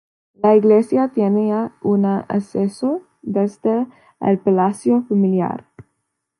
La iglesia tenía un acceso desde el palacio familiar.